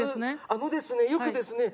あのですねよくですね